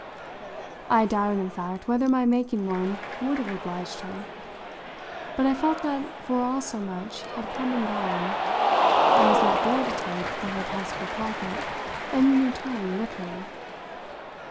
I doubted in fact whether my making one would have obliged her; but I felt that, for all so much had come and gone, I was not there to take, for her possible profit, any new tone with her.